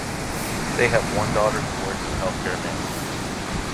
They have one daughter who works in healthcare management.